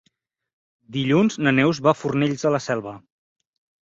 Dilluns na Neus va a Fornells de la Selva.